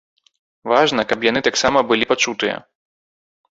Важна, каб яны таксама былі пачутыя.